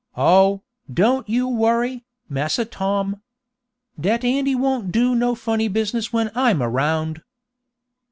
Oh, don't you worry, Massa Tom. Dat Andy won't do no funny business when I'm around!"